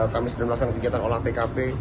kami sudah melaksanakan kegiatan olah tkp